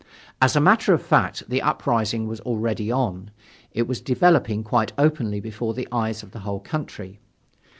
As a matter of fact the uprising was already on. It was developing quite openly before the eyes of the whole country.